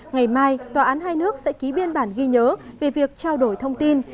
ngày mai tòa án hai nước sẽ ký biên bản ghi nhớ về việc trao đổi thông tin